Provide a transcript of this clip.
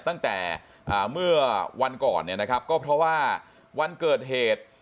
ตั้งแต่เมื่อวันก่อนเนี่ยนะครับก็เพราะว่าวันเกิดเหตุ